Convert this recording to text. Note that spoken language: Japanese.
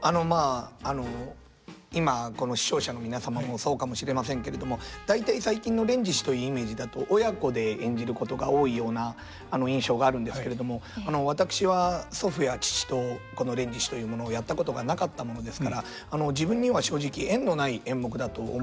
あのまああの今この視聴者の皆様もそうかもしれませんけれども大体最近の「連獅子」というイメージだと親子で演じることが多いような印象があるんですけれども私は祖父や父とこの「連獅子」というものをやったことがなかったものですから自分には正直縁のない演目だと思っておりました。